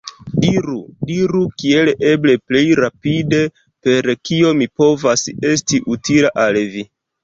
Diru, diru kiel eble plej rapide, per kio mi povas esti utila al vi!